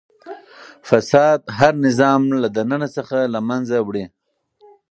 فساد هر نظام له دننه څخه له منځه وړي.